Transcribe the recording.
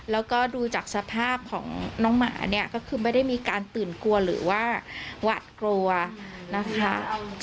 แล้วก็ดูจากสภาพของน้องหมาเนี่ยก็คือไม่ได้มีการตื่นกลัวหรือว่าหวัดกลัวนะคะ